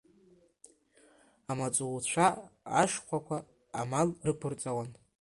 Амаҵуцәа ашхәақәа амал рықәырҵауан.